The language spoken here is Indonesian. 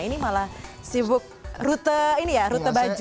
ini malah sibuk rute ini ya rute baju